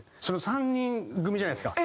３人組じゃないですか